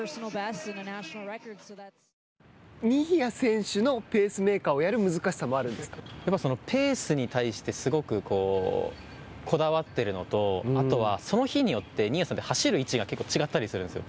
新谷選手のペースメーカーをやるやっぱりペースに対してすごくこうこだわってるのとあとは、その日によって新谷さんって走る位置が結構、違ったりするんですよ。